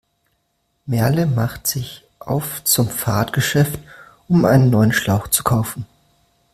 Merle macht sich auf zum Fahrradgeschäft, um einen neuen Schlauch zu kaufen.